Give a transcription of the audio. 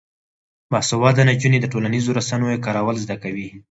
باسواده نجونې د ټولنیزو رسنیو کارول زده کوي.